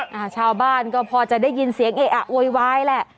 ชาวบ้านก็พอจะได้ยินเสียงเออะโวยวายแหละ